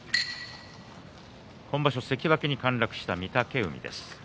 今場所、関脇に陥落した御嶽海です。